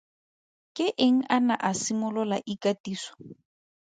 Ke eng a ne a simolola ikatiso?